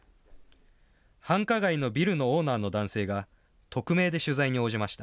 繁華街のビルのオーナーの男性が、匿名で取材に応じました。